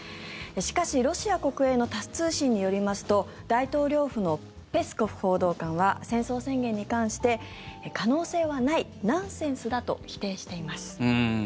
しかし、ロシア国営のタス通信によりますと大統領府のペスコフ報道官は戦争宣言に関して可能性はない、ナンセンスだと否定しています。